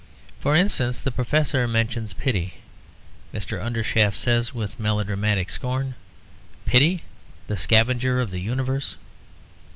For instance, the Professor mentions pity. Mr. Undershaft says with melodramatic scorn, "Pity! the scavenger of the Universe!"